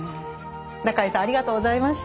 中江さんありがとうございました。